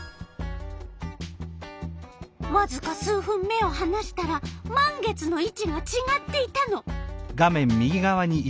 わずか数分目をはなしたら満月の位置がちがっていたの。